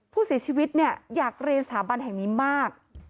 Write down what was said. ผู้เสียชีวิตเนี่ยอยากเรียนสถาบันแห่งนี้มาก